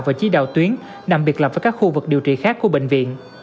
và chí đào tuyến đặc biệt là với các khu vực điều trị khác của bệnh viện